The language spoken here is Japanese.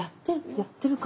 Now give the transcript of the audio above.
やってるかな？